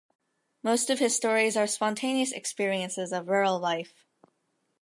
Most of his stories are spontaneous experiences of rural life.